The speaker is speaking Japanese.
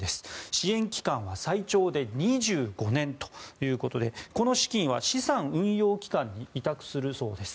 支援期間は最長で２５年ということでこの資金は資産運用機関に委託するそうです。